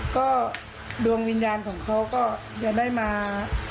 ก็ดวงวิญญาณของเขาก็จะได้มา